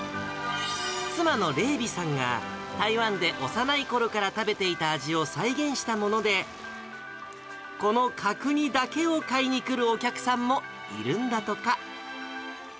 妻のれいびさんが台湾で幼いころから食べていた味を再現したもので、この角煮だけを買いにくるお客さんもいるんだとか。